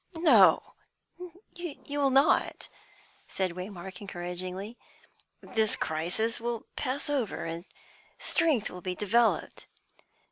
"No, you will not," said Waymark encouragingly. "This crisis will pass over, and strength will be developed.